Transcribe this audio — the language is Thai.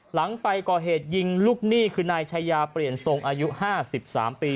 หลังไปก่อเหตุยิงลูกหนี้คือนายชายาเปลี่ยนทรงอายุ๕๓ปี